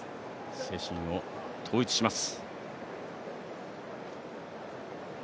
精神を統一します。